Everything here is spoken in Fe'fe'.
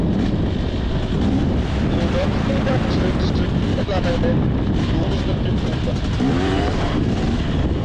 Ngα̌ fhʉ̄ ngwá thʉ̌ nzʉ̄, ά lǎh ghěn ghʉ wúzᾱ mbí pōō mbǎ.